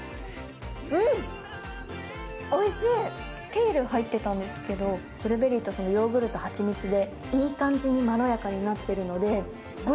ケールが入ってたんですけどブルーベリーとヨーグルトはちみつでいい感じにまろやかになってるので。